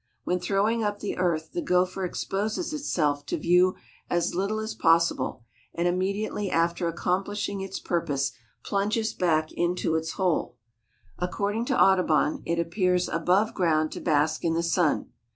When throwing up the earth the gopher exposes itself to view as little as possible and immediately after accomplishing its purpose plunges back into its hole. According to Audubon it appears above ground to bask in the sun.